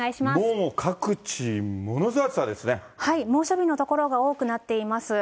もう各地、猛暑日の所が多くなっています。